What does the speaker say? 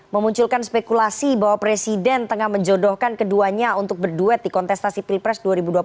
memunculkan spekulasi bahwa presiden tengah menjodohkan keduanya untuk berduet di kontestasi pilpres dua ribu dua puluh